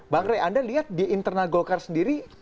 bang rey anda lihat di internal golkar sendiri